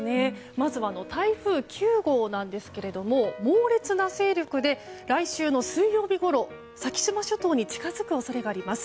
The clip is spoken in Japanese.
まず台風９号なんですが猛烈な勢力で、来週の水曜日ごろ先島諸島に近づく恐れがあります。